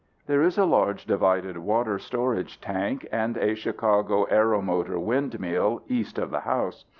There is a large, divided water storage tank and a Chicago Aeromotor windmill east of the house.